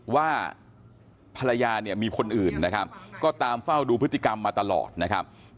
ว่าภรรยาเนี่ยมีคนอื่นนะครับก็ตามเฝ้าดูพฤติกรรมมาตลอดนะครับ